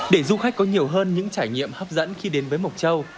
để du khách có nhiều hơn những trải nghiệm hấp dẫn khi đến với mộc châu